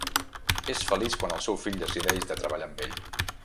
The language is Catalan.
És feliç quan el seu fill decideix de treballar amb ell.